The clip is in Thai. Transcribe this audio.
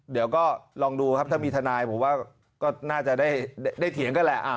เดี๋ยวก็ลองดูครับถ้ามีทนายผมว่าก็น่าจะได้เถียงกันแหละ